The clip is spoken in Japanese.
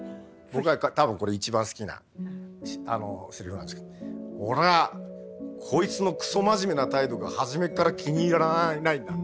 僕は多分これ一番好きなセリフなんですけど「俺アこいつのクソ真面目な態度が初めっから気に入らないんだ」。